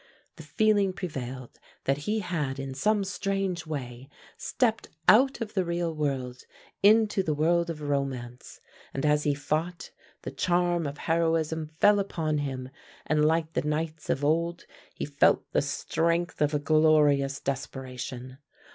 The feeling prevailed that he had in some strange way stepped out of the real world into the world of romance, and as he fought, the charm of heroism fell upon him, and, like the knights of old, he felt the strength of a glorious desperation.